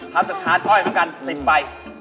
ทำจากชานก้อยเหมือนกัน๑๐ใบ